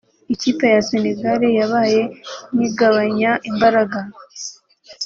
ikipe ya Senegal yabaye nk’igabanya imbaraga